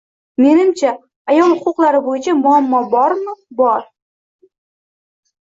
Menimcha, ayol huquqlari bo‘yicha muammo bormi, bor.